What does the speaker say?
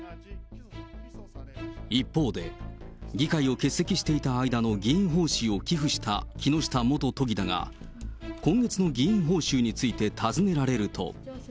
一方で、議会を欠席していた間の議員報酬を寄付した木下元都議だが、今月の議員報酬について尋ねられると。